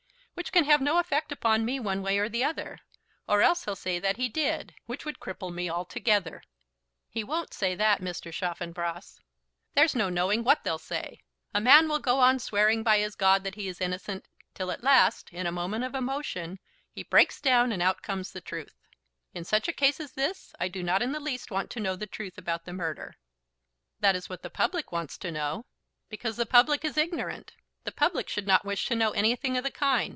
"Which can have no effect upon me one way or the other; or else he'll say that he did, which would cripple me altogether." "He won't say that, Mr. Chaffanbrass." "There's no knowing what they'll say. A man will go on swearing by his God that he is innocent, till at last, in a moment of emotion, he breaks down, and out comes the truth. In such a case as this I do not in the least want to know the truth about the murder." "That is what the public wants to know." "Because the public is ignorant. The public should not wish to know anything of the kind.